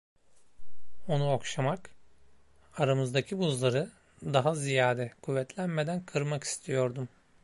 Onu okşamak, aramızdaki buzları, daha ziyade kuvvetlenmeden kırmak istiyordum.